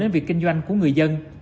đến việc kinh doanh của người dân